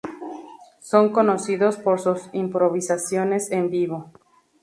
Son conocidos por sus improvisaciones en vivo.